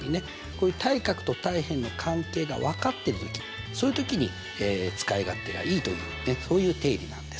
こういう対角と対辺の関係が分かってる時そういう時に使い勝手がいいというそういう定理なんですね。